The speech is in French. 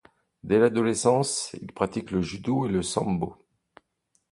Dès l'adolescence, il pratique le judo et le sambo.